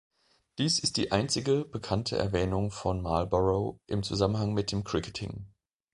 Dies ist die einzige bekannte Erwähnung von Marlborough im Zusammenhang mit dem Cricketing.